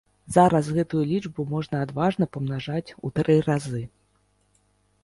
Зараз гэтую лічбу можна адважна памнажаць у тры разы.